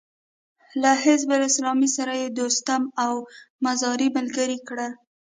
له حزب اسلامي سره يې دوستم او مزاري ملګري کړل.